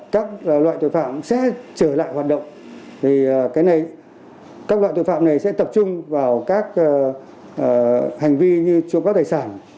các loại tội phạm sẽ trở lại hoạt động các loại tội phạm này sẽ tập trung vào các hành vi như trộm cắp tài sản